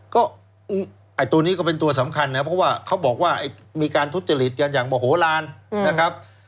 ก็ไอ้ตัวนี้ก็เป็นตัวสำคัญนะครับเพราะว่าเขาบอกว่ามีการทุจริตกันอย่างโมโหลานนะครับ